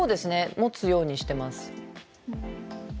持つようにしてます。